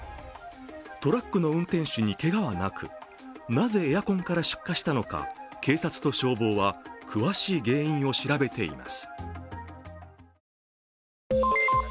トラックの運転手にけがはなく、なぜエアコンから出火したのか、警察と消防は詳しい原因を調べています。